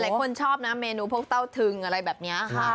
ชอบนะเมนูพวกเต้าทึงอะไรแบบนี้ค่ะ